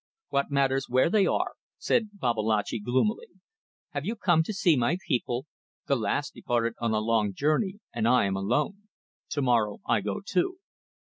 "What matters where they are?" said Babalatchi, gloomily. "Have you come to see my people? The last departed on a long journey and I am alone. Tomorrow I go too."